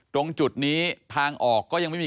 ตรงจุดนี้ทางออกก็ยังไม่มี